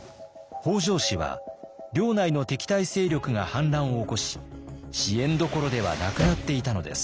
北条氏は領内の敵対勢力が反乱を起こし支援どころではなくなっていたのです。